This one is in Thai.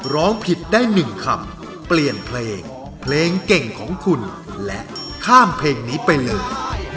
ร้องผิดได้๑คำเปลี่ยนเพลงเพลงเก่งของคุณและข้ามเพลงนี้ไปเลย